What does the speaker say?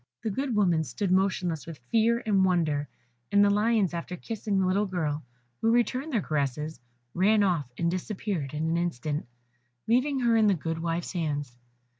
The good woman stood motionless with fear and wonder, and the lions, after kissing the little girl, who returned their caresses, ran off, and disappeared in an instant, leaving her in the good wife's hands.